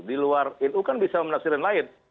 di luar nu kan bisa menafsirkan lain